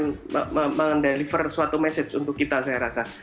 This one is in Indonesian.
dan mengucapkan suatu mesej untuk kita saya rasa